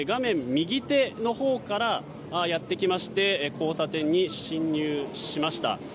右手のほうからやってきて交差点に進入しました。